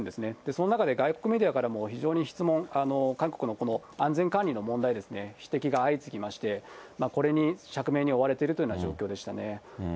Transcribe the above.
その中で外国メディアからも非常に質問、韓国のこの安全管理の問題ですね、指摘が相次ぎまして、これに釈明に追われているというような状況でしたね。